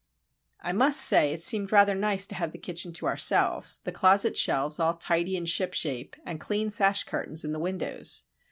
I must say it seemed rather nice to have the kitchen to ourselves, the closet shelves all tidy and ship shape, and clean sash curtains in the windows.